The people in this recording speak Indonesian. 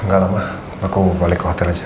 nggak lama aku balik ke hotel aja